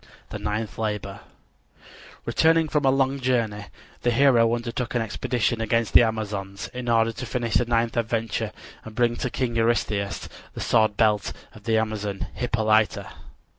THE NINTH LABOR Returning from a long journey, the hero undertook an expedition against the Amazons in order to finish the ninth adventure and bring to King Eurystheus the sword belt of the Amazon Hippolyta.